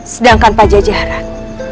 sedangkan pak jajaran